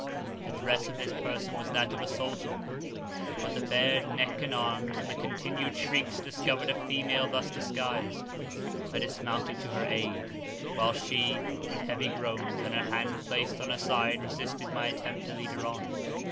The dress of this person was that of a soldier, but the bared neck and arms, and the continued shrieks discovered a female thus disguised. I dismounted to her aid, while she, with heavy groans, and her hand placed on her side, resisted my attempt to lead her on.